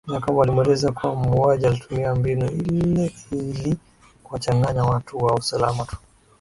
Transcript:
Jacob alimueleza kuwa muuaji alitumia mbinu ile ili kuwachanganya watu wa usalama tu